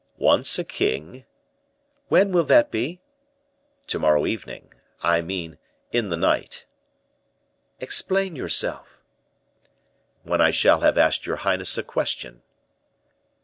Once a king " "When will that be?" "To morrow evening I mean in the night." "Explain yourself." "When I shall have asked your highness a question."